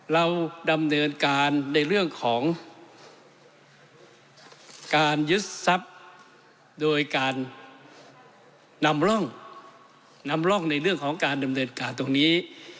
เราดำเนินการในเรื่องของการยึดทรัพย์โดยการนำร่องนำร่องในเรื่องของการดำเนินการตรงนี้